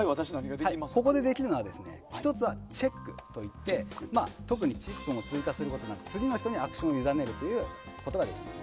ここで、できるのは１つはチェックといって特にチップを追加することなく次の人にアクションをゆだねることができます。